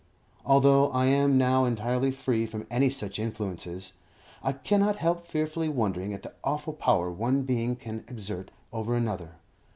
Although I am now entirely free from any such influences, I cannot help fearfully wondering at the awful power one being can exert over another.